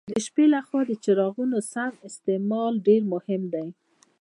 د شپې له خوا د څراغونو سم استعمال ډېر مهم دی.